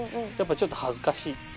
やっぱちょっと恥ずかしい。